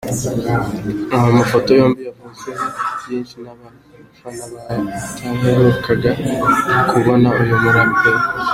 Aya mafoto yombi yavuzweho byinshi n’abafana bataherukaga kubona uyu muraperi.